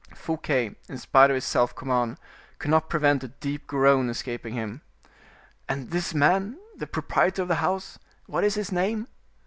Fouquet, in spite of his self command, could not prevent a deep groan escaping him. "And this man, the proprietor of the house, what is his name?"